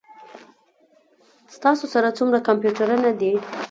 ستاسو سره څومره کمپیوټرونه دي؟